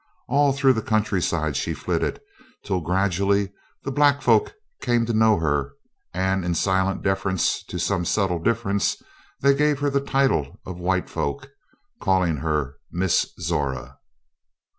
All through the countryside she flitted, till gradually the black folk came to know her and, in silent deference to some subtle difference, they gave her the title of white folk, calling her "Miss" Zora.